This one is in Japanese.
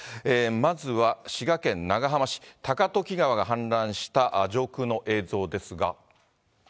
まずは滋賀県長浜市、高時川が氾濫した上空の映像ですが。